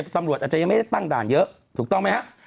แต่ยังไม่ได้ตั้งด่านเยอะถูกต้องไหมครับ